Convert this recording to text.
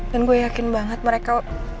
dan gue yakin banget mereka